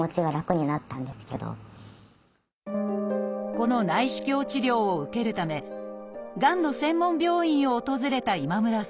この内視鏡治療を受けるためがんの専門病院を訪れた今村さん。